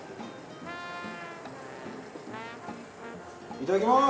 いただきます。